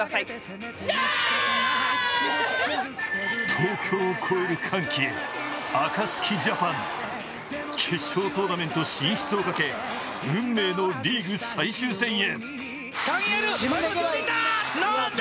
東京を超える歓喜へ、ＡＫＡＴＳＵＫＩＪＡＰＡＮ、決勝トーナメント進出をかけ運命のリーグ最終戦へ。